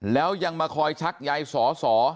แล้วยังมาคอยชักใยสอสอ